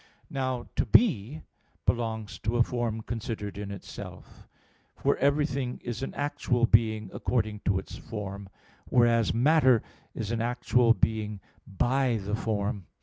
Now to be belongs to a form considered in itself; for everything is an actual being according to its form: whereas matter is an actual being by the form.